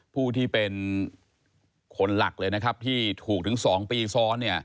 ผู้ที่เป็นคนหลักเลยนะครับที่ถูกถึง๒ปีซ้อนเนี่ย